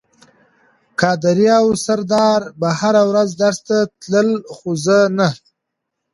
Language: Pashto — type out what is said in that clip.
قادر او سردار به هره ورځ درس ته تلل خو زه نه.